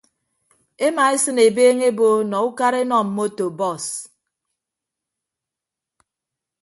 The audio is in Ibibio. Emaesịn ebeeñe ebo nọ ukara enọ mmoto bọọs.